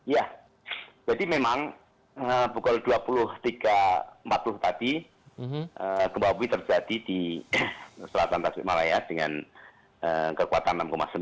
ya jadi memang pukul dua puluh tiga empat puluh tadi gempa bumi terjadi di selatan tasikmalaya dengan kekuatan enam sembilan